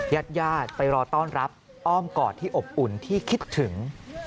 ญาติญาติไปรอต้อนรับอ้อมกอดที่อบอุ่นที่คิดถึง